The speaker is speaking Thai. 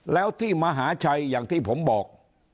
แล้วที่มหาชัยอย่างที่ผมบอก